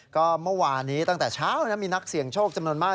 ก็เมื่อวานนี้ตั้งแต่เช้ามีนักเสี่ยงโชคจำนวนมาก